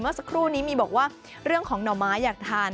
เมื่อสักครู่นี้มีบอกว่าเรื่องของหน่อไม้อยากทาน